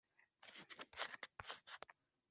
bigatuma kandi ubuzima buryoha